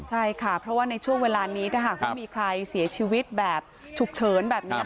ใช่ค่ะเพราะว่าในช่วงเวลานี้ถ้าหากว่ามีใครเสียชีวิตแบบฉุกเฉินแบบนี้